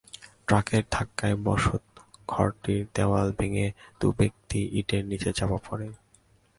ট্রাকের ধাক্কায় বসতঘরটির দেয়াল ভেঙে দুই ব্যক্তি ইটের নিচে চাপা পড়েন।